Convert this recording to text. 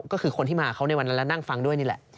ก็คือคนที่มาเขาในวันนั้นแล้วนั่งฟังด้วยนี่แหละ